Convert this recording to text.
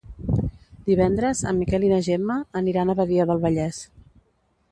Divendres en Miquel i na Gemma aniran a Badia del Vallès.